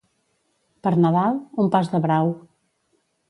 Per Nadal, un pas de brau.